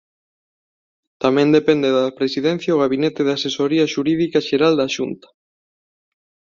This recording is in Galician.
Tamén depende da Presidencia o gabinete de asesoría xurídica xeral da Xunta.